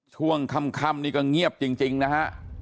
ช่วงค่ำนี่ก็เงียบจริงนะฮะ